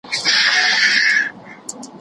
صنعت انکشاف کوي.